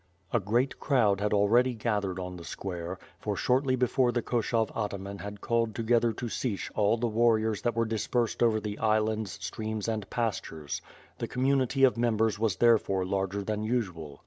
A great crowd had already gathered on the square; for shortly before the Koshov Ataman had called together to Sich all the warriors that were dispersed over the islands, streams, and pastures. The community of members was therefore larger than usual.